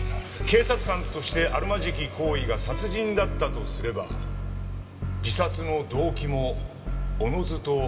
「警察官としてあるまじき行為」が殺人だったとすれば自殺の動機もおのずと推測が可能でしょう。